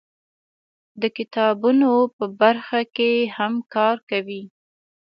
د کتابونو په برخه کې هم کار کوي.